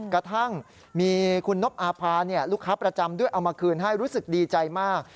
กระทั่งมีคุณนบอาภาลูกค้าประจำด้วยเอามาคืนให้รู้สึกดีใจมาก